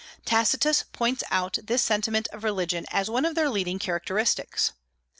Tacitus points out this sentiment of religion as one of their leading characteristics.